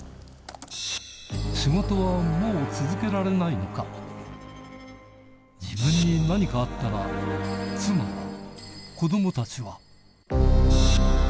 仕事はもう続けられないのか自分に何かあったらどうする？